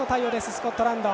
スコットランド。